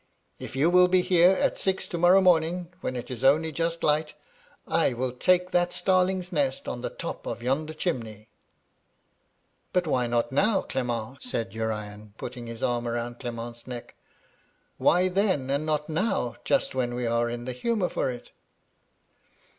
K you will be here at six to morrow morning, when it is only just light, I will take that starling's nest on the top of yonder chimney.' * But why not now, Clement? said Urian, putting his arm round Client's neck. *Why then, and not now, just when we are in the humour for it